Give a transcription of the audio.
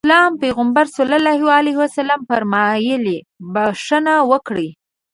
د اسلام پيغمبر ص وفرمايل بښنه وکړئ.